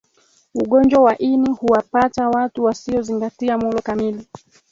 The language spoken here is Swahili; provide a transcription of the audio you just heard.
ugonjwa wa ini huwapata watu wasiyozingatia mulo kamili